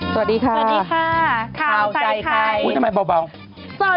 สวัสดีค่ะสวัสดีค่ะสวัสดีค่ะข่าวใจใครอุ๊ยทำไมเบาเบา